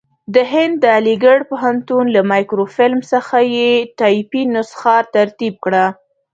د هند د علیګړ پوهنتون له مایکروفیلم څخه یې ټایپي نسخه ترتیب کړه.